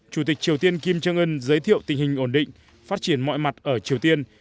chủ tịch triều tiên kim jong un giới thiệu tình hình ổn định phát triển mọi mặt ở triều tiên